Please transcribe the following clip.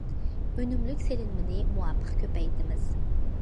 ئۈنۈملۈك سېلىنمىنى مۇۋاپىق كۆپەيتىمىز.